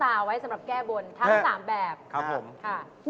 ถังสามแบบ